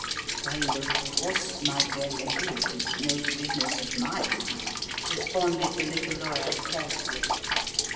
"Well, of course, my dear lady, it is no business of mine," responded the little lawyer tersely.